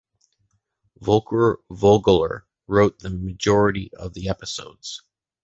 Volker Vogeler wrote the majority of the episodes.